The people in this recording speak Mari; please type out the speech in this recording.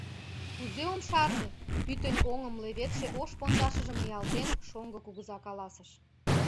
— Кузе ом шарне! — пӱтынь оҥым леведше ош пондашыжым ниялтен, шоҥго кугыза каласыш.